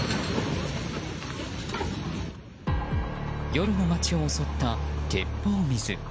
夜の街を襲った鉄砲水。